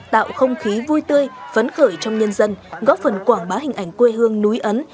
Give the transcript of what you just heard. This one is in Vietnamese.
tạo không khí vui tươi phấn khởi trong nhân dân góp phần quảng bá hình ảnh quê hương núi ấn